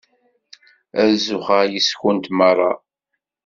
Ad zuxxeɣ yess-kent merra.